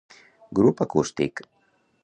Grup acústic.